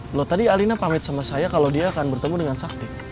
loh tadi alina pamit sama saya kalau dia akan bertemu dengan sakti